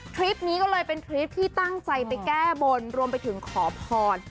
คลิปนี้ก็เลยเป็นทริปที่ตั้งใจไปแก้บนรวมไปถึงขอพร